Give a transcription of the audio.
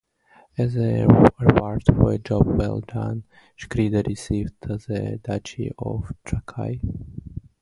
As a reward for a job well done, Skirgaila received the Duchy of Trakai.